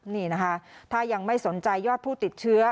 นี่นะคะถ้ายังไม่สนใจยอดผู้ติดเชื้อ